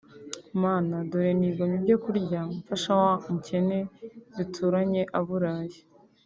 Mana dore nigomwe ibyo kurya mfasha wa mukene duturanye aburaye